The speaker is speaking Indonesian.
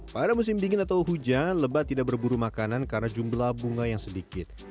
pada musim dingin atau hujan lebat tidak berburu makanan karena jumlah bunga yang sedikit